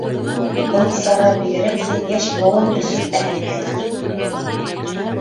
Был сара бигерәк тә йәш быуын өсөн әһәмиәтле.